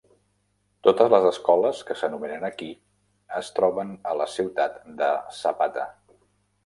Totes les escoles que s'enumeren aquí es troben a la ciutat de Zapata.